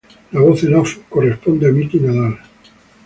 La voz en "off" correspondió a Miki Nadal.